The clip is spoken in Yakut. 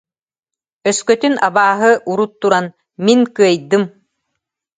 Өскөтүн абааһы урут туран: «Мин кыайдым